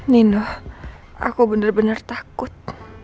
nino aku bener benar takut